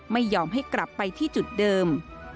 ไม่ยอมให้กลับไปที่จุดเดิม